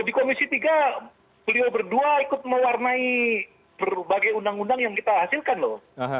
di komisi tiga beliau berdua ikut mewarnai berbagai undang undang yang kita hasilkan loh